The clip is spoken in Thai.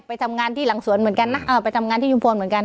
ไปทำงานที่หลังสวนเหมือนกันนะไปทำงานที่ชุมพรเหมือนกัน